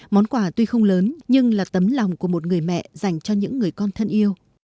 món quà tuy không lớn nhưng là tấm lòng của một người mẹ dành cho những người con thân yêu